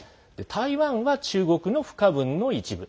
台湾は中国の不可分の一部。